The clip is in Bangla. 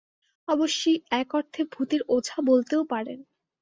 অবশ্যি এক অর্থে ভূতের ওঝা বলতেও পারেন।